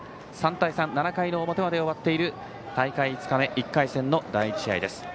３対３と７回の表まで終わっている大会５日目の１回戦の第１試合です。